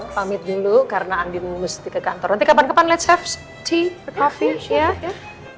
pamit dulu karena andi mesti ke kantor nanti kapan kapan let's have tea coffee ya